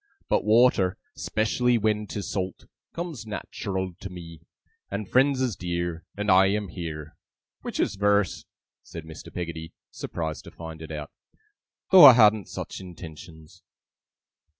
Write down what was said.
But water ['specially when 'tis salt) comes nat'ral to me; and friends is dear, and I am heer. Which is verse,' said Mr. Peggotty, surprised to find it out, 'though I hadn't such intentions.